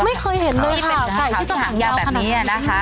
ไม่เคยเห็นด้วยค่ะใครที่จะหางยาวขนาดนี้